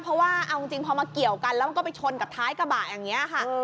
เพราะว่าเอาจริงพอมาเกี่ยวกันแล้วมันก็ไปชนกับท้ายกระบะอย่างนี้ค่ะ